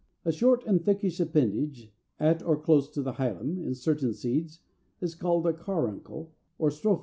A short and thickish appendage at or close to the hilum in certain seeds is called a CARUNCLE or STROPHIOLE (Fig.